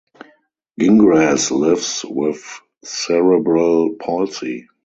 Gingras lives with cerebral palsy.